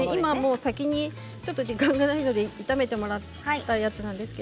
先に時間がないので炒めてもらったやつです。